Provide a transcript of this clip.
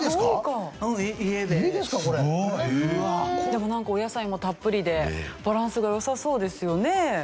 でもなんかお野菜もたっぷりでバランスが良さそうですよね。